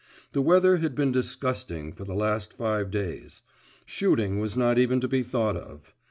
The weather had been disgusting for the last five days. Shooting was not even to be thought of.